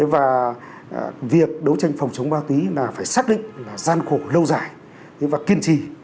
và việc đấu tranh phòng chống ma túy là phải xác định là gian khổ lâu dài và kiên trì